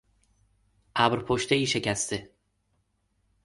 ابرپشتهای شکسته